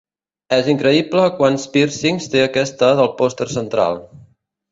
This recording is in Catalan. És increïble quants pírcings té aquesta del pòster central.